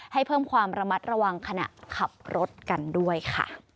ให้เพิ่มความระมัดระวังขณะขับรถกันด้วยค่ะ